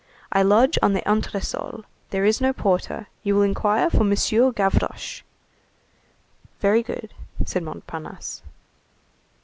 I lodge on the entresol. There is no porter. You will inquire for Monsieur Gavroche." "Very good," said Montparnasse.